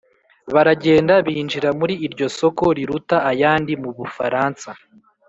baragenda binjira muri iryo soko riruta ayandi mu bufaransa.